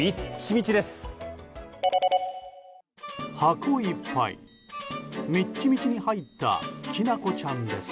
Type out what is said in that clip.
みっちみちに入ったきなこちゃんです。